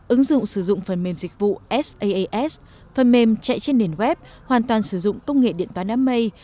ứng dụng sử dụng phần mềm dịch vụ saas phần mềm chạy trên nền web hoàn toàn sử dụng công nghệ điện toán đám mây